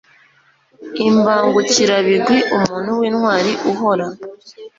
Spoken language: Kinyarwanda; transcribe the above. imbangukirabigwi umuntu w'intwari uhora